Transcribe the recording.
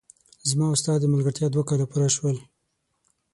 زما او ستا د ملګرتیا دوه کاله پوره شول!